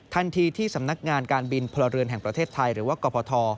ที่สำนักงานการบินพลเรือนแห่งประเทศไทยหรือว่ากรพท